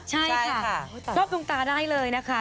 ใช่ค่ะรบลงตาได้เลยนะคะ